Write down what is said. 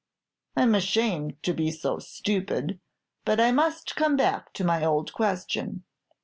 "I 'm ashamed to be so stupid, but I must come back to my old question.